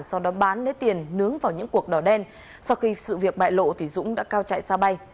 sau đó bán lấy tiền nướng vào những cuộc đỏ đen sau khi sự việc bại lộ dũng đã cao chạy xa bay